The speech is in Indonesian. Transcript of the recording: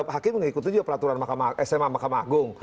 hakim mengikuti juga peraturan sma mahkamah agung